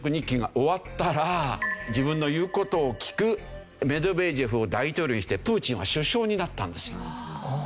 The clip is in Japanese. ２期が終わったら自分の言う事を聞くメドベージェフを大統領にしてプーチンは首相になったんですよ。